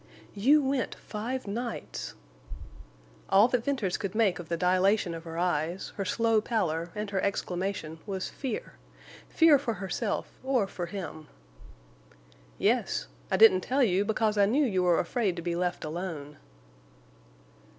"You went five nights!" All that Venters could make of the dilation of her eyes, her slow pallor, and her exclamation, was fear—fear for herself or for him. "Yes. I didn't tell you, because I knew you were afraid to be left alone."